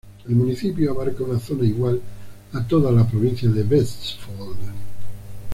El municipio abarca una zona igual a toda la provincia de Vestfold.